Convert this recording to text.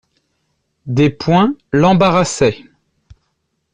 Des points l'embarrassaient.